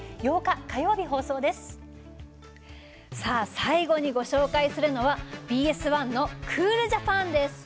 最後にご紹介するのはＢＳ１の「ＣＯＯＬＪＡＰＡＮ」です。